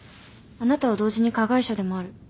あなたは同時に加害者でもある。